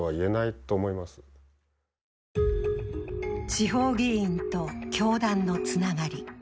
地方議員と教団のつながり。